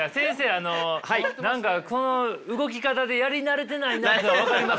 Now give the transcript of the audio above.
あの何かこの動き方でやり慣れてないなっていうのが分かりますよ。